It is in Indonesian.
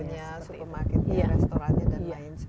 tokonya supermarket restoran